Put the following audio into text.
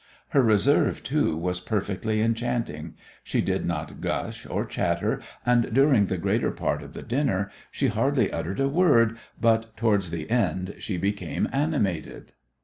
Her reserve, too, was perfectly enchanting. She did not gush or chatter, and during the greater part of the dinner she hardly uttered a word, but towards the end she became animated.